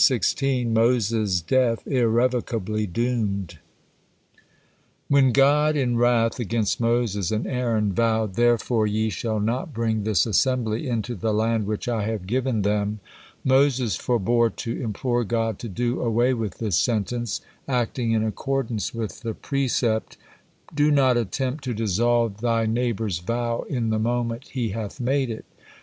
MOSES' DEATH IRREVOCABLY DOOMED When God in wrath against Moses and Aaron vowed, "Therefore ye shall not bring this assembly into the land which I have given them," Moses forbore to implore God to do away with this sentence, acting in accordance with the percept, "Do not attempt to dissolve thy neighbor's vow in the moment he hath made it."